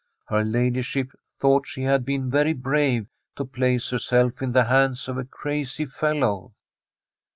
Her ladyship thought she had been very brave to place herself in the hands of a crazy fellow.